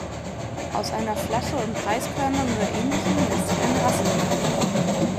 Aus einer Flasche und Reiskörnern oder Ähnlichem lässt sich eine Rassel bauen.